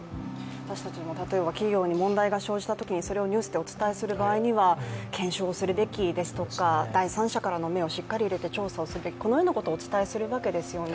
私たちも例えば企業に問題が生じたときにニュースでお伝えするとき検証をするべきだとか第三者からの目を入れてしっかり調査すべき、このようなことをお伝えするわけですよね。